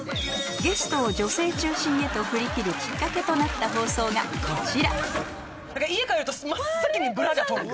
ゲストを女性中心へと振り切るきっかけとなった放送がこちら家帰ると。